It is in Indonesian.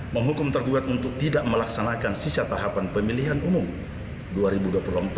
menghukum tergugat untuk tidak melaksanakan sisa tahapan pemilihan umum